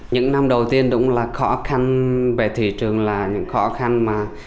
những năm đầu tiên đúng là khó khăn về thị trường là những khó khăn mà